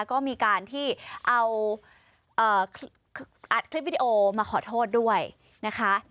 ก็มีการที่เอาอัดคลิปวิดีโอมาขอโทษด้วยนะคะ